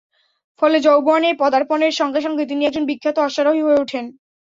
ফলে যৌবনে পদার্পণের সঙ্গে সঙ্গে তিনি একজন বিখ্যাত অশ্বারোহী হয়ে উঠেন।